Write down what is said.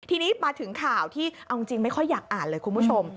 ทีนี้มาถึงข่าวที่เอาจริงไม่ค่อยอยากอ่านเลยคุณผู้ชม